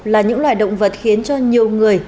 là những loài động vật khiến cho nhiều người